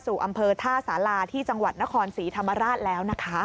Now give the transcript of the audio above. อำเภอท่าสาราที่จังหวัดนครศรีธรรมราชแล้วนะคะ